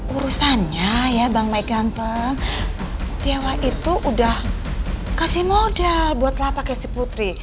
urusannya ya bang mike ganteng dewa itu udah kasih modal buat telapaknya si putri